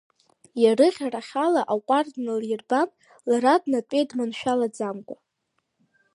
Иарыӷьарахьла аҟәардә налирбан, лара днатәеит дманшәалаӡамкәа.